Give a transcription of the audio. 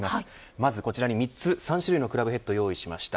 まずこちらに３つ、３種類のクラブヘッドを用意しました。